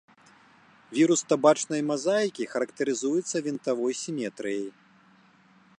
Вірус табачнай мазаікі характарызуецца вінтавой сіметрыяй.